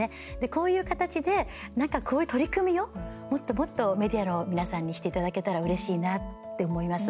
こういう形でなんかこういう取り組みをもっともっとメディアの皆さんにしていただけたらうれしいなって思います。